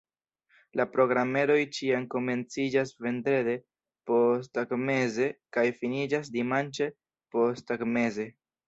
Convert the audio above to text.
La programeroj ĉiam komenciĝas vendrede posttagmeze kaj finiĝas dimanĉe posttagmeze.